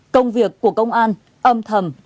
công việc của công an âm thầm